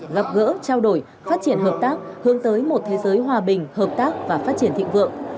gặp gỡ trao đổi phát triển hợp tác hướng tới một thế giới hòa bình hợp tác và phát triển thịnh vượng